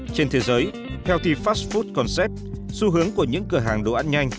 trên thế giới theo the fast food concept xu hướng của những cửa hàng đồ ăn nhanh